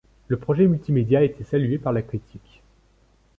Le projet multimédia a été salué par la critique.